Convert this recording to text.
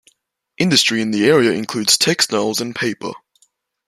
Industry in the area includes textiles and paper.